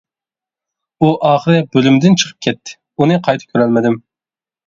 ئۇ ئاخىرى بۆلمىدىن چىقىپ كەتتى، ئۇنى قايتا كۆرەلمىدىم.